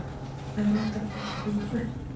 غرمه د تقوا او توبې وخت وي